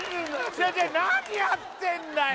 違う何やってんだよ！